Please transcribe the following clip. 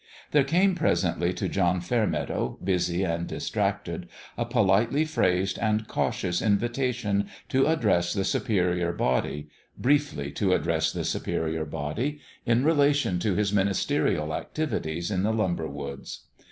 There came presently to John Fairmeadow, busy and distracted, a politely phrased and cautious invitation to address the Superior Body briefly to address the Superior Body in rela tion to his ministerial activities in the lumber woods.